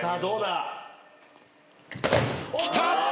きた！